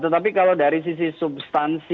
tetapi kalau dari sisi substansi